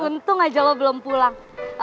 untung aja lo belum pulang